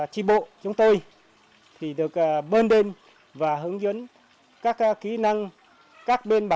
tri bộ chúng tôi được bơn đêm và hướng dẫn các kỹ năng các bên bản